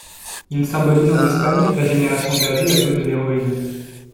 Il symbolise en Espagne la génération perdue à cause de l'héroïne.